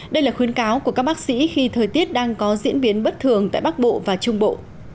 đây là khuyến cáo của các bác sĩ khi thời tiết đang có diễn biến bất thường tại bắc bộ và trung bộ